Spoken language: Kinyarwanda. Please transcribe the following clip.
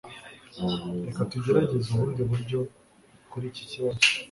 Reka tugerageze ubundi buryo kuri iki kibazo.